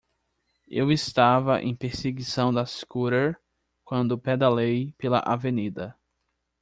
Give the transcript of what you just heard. Eu estava em perseguição da scooter quando pedalei pela avenida.